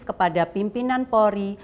kepada pimpinan polri